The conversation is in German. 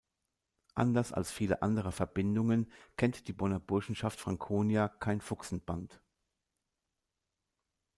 Anders als viele andere Verbindungen kennt die "Bonner Burschenschaft Frankonia" kein Fuchsenband.